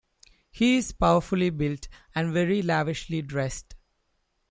He is powerfully built and very lavishly dressed.